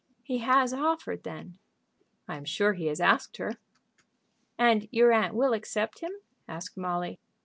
"He has offered, then?" "I am sure he has asked her." "And your aunt will accept him?" asked Molly.